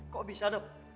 kok bisa dok